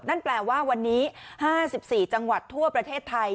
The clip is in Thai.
นั่นแปลว่าวันนี้๕๔จังหวัดทั่วประเทศไทย